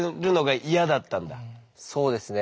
そうですね。